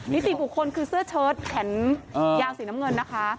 นิติบุคคลคือเสื้อเชิดแขนยาวสีน้ำเงินนะคะ